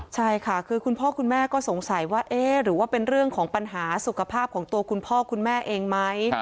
ใช่ค่ะคือคุณพ่อคุณแม่ก็สงสัยว่าเอ๊ะหรือว่าเป็นเรื่องของปัญหาสุขภาพของตัวคุณพ่อคุณแม่เองไหม